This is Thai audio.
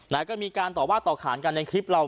และก็มีการต่อการณ์กันต่อขานในคลิปเรา